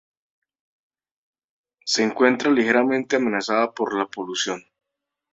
Se encuentra ligeramente amenazada por la polución.